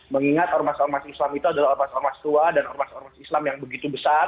mengingat ormas ormas islam itu adalah ormas ormas tua dan ormas ormas islam yang begitu besar